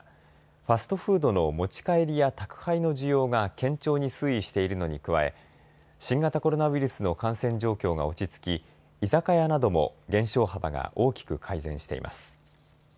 ファストフードの持ち帰りや宅配の需要が堅調に推移しているのに加え新型コロナウイルスの感染状況が落ち着き居酒屋なども減少幅が大きく改善しています。